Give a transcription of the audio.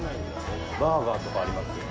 バーガーとかありますよ。